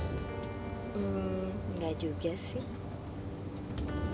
hmm gak juga sih